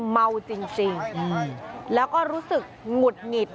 ไม่รู้